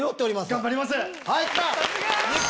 頑張ります！